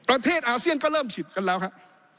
อาเซียนก็เริ่มฉีดกันแล้วครับ